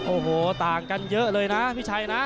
โอ้โหต่างกันเยอะเลยนะพี่ชัยนะ